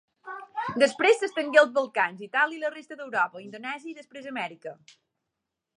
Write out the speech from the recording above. Després s'estengué als Balcans, Itàlia i la resta d'Europa, a Indonèsia i després a Amèrica.